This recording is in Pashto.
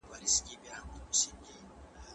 ته لکه یو پسرلی